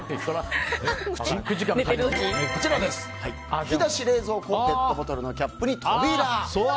引き出し、冷蔵庫ペットボトルのキャップに扉。